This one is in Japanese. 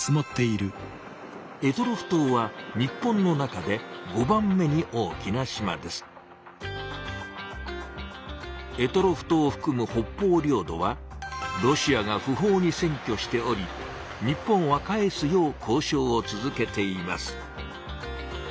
択捉島は択捉島をふくむ北方領土はロシアが不法に占拠しており日本は返すよう交しょうを続けています。